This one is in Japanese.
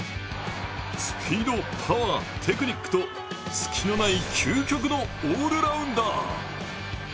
スピード、パワー、テクニックと隙のない究極のオールラウンダー。